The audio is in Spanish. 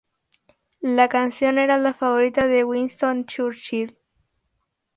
La canción era la favorita de Winston Churchill.